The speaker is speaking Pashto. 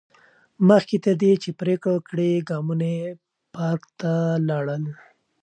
مخکې تر دې چې پرېکړه وکړي، ګامونه یې پارک ته لاړل.